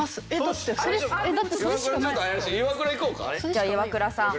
じゃあイワクラさん